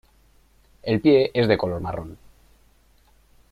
El pie es de color marrón.